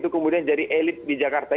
kemudian jadi elit di jakarta